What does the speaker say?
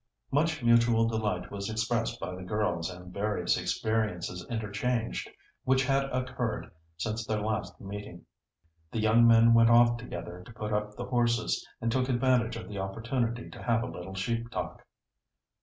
Much mutual delight was expressed by the girls, and various experiences interchanged which had occurred since their last meeting. The young men went off together to put up the horses, and took advantage of the opportunity to have a little sheep talk.